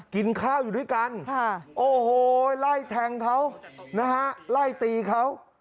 กินข้าวอยู่ด้วยกันโอ้โหไล่แทงเขานะฮะไล่ตีเขา